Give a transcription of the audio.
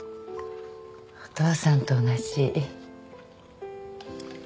お父さんと同じ。